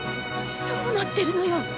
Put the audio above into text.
どうなってるのよ？